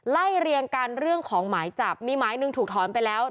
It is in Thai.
ไล่เรียงกันเรื่องของหมายจับมีหมายหนึ่งถูกถอนไปแล้ว